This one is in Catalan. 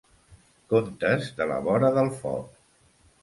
Contes de la vora del foc.